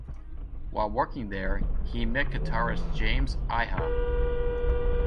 While working there, he met guitarist James Iha.